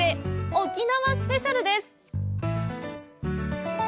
沖縄スペシャルです！